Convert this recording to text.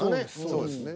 そうですね。